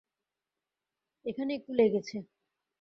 এখানে একটু লেগেছে।